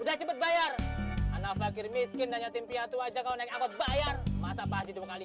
udah cepet bayar anak fakir miskin dan yatim piatu aja kau naik amat bayar masa pak jidul kali